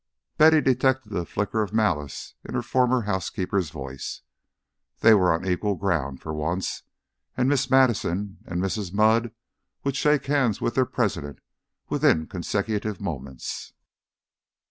Betty detected the flicker of malice in her former housekeeper's voice. They were on equal ground for once, and Miss Madison and Mrs. Mudd would shake hands with their President within consecutive moments.